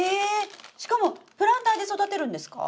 しかもプランターで育てるんですか？